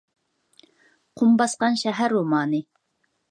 «قۇم باسقان شەھەر» رومانى